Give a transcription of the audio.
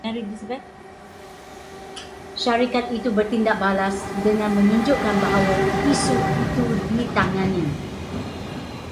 Syarikat itu bertindak balas dengan menunjukkan bahawa isu itu ditangani